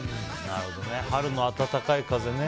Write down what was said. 春の温かい風ね。